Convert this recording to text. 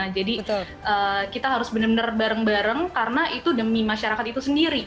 jadi kita harus benar benar bareng bareng karena itu demi masyarakat itu sendiri